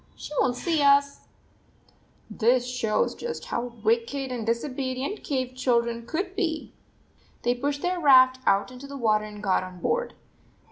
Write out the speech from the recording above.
She won t see us !" This shows just how wicked and disobedient cave children could be ! They pushed their raft out into the wa ter and got on board.